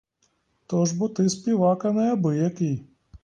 То ж бо ти співака неабиякий.